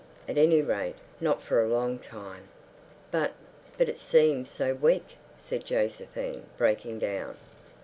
At any rate, not for a long time." "But—but it seems so weak," said Josephine, breaking down.